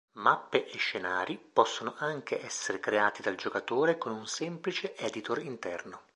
Mappe e scenari possono anche essere creati dal giocatore con un semplice editor interno.